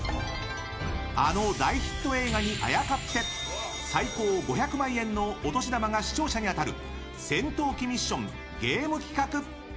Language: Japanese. あの大ヒット映画にあやかって最高５００万円のお年玉が視聴者に当たる戦闘機ミッションゲーム企画！